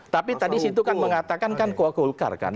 tapi tadi situ kan mengatakan kan kulkar kan